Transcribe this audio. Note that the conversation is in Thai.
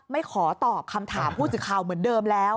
ไม่ขอตอบคำถามผู้สื่อข่าวเหมือนเดิมแล้ว